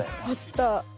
あった。